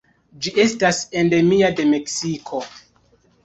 Ĝi estas endemia de Meksiko.